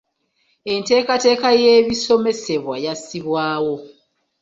Enteekateeka y’ebisomesebwa yassibwawo.